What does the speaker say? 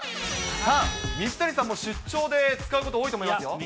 さあ、水谷さんも出張で使うこと多いと思いますよ。